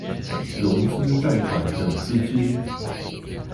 融資貸款等資金